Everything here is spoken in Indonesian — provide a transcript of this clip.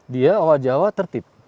dia oha jawa tertib